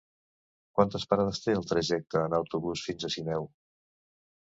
Quantes parades té el trajecte en autobús fins a Sineu?